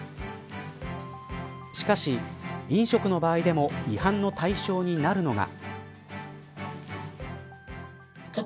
しかし飲食の場合でも違反の対象になるのが。